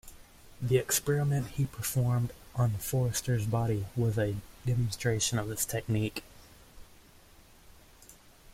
The experiment he performed on Forster's body was a demonstration of this technique.